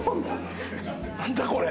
何だこれ。